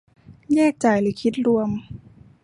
แยกจ่ายหรือคิดรวม